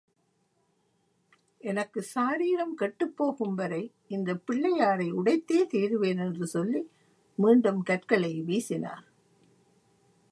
எனக்குச் சாரீரம் கெட்டுப் போகும் வரை இந்தப் பிள்ளையாரை உடைத்தே தீருவேன் என்று சொல்லி மீண்டும் கற்களை வீசினார்.